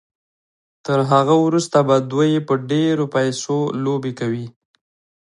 تر هغه وروسته به دوی په ډېرو پيسو لوبې کوي.